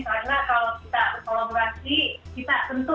karena kalau kita berkolaborasi dengan orang lain